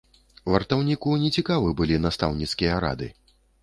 Вартаўніку не цікавы былі настаўніцкія рады.